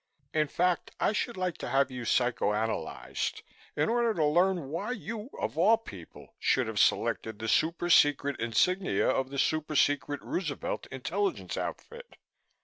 In fact, I should like to have you psycho analyzed, in order to learn why you, of all people, should have selected the super secret insignia of the super secret Roosevelt intelligence outfit.